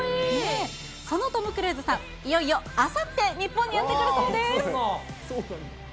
そのトム・クルーズさん、いよいよあさって、日本にやって来るそうです。